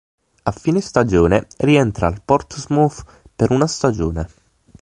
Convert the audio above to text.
A fine stagione rientra al Portsmouth per una stagione.